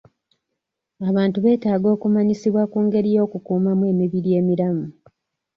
Abantu beetaaga okumanyisibwa ku ngeri y'okukuumamu emibiri emiramu.